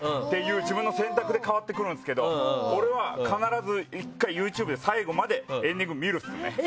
自分の選択で変わってくるんですけど俺は１回ＹｏｕＴｕｂｅで最後までエンディングで見る。